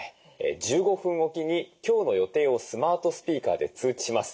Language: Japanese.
１５分おきに今日の予定をスマートスピーカーで通知します。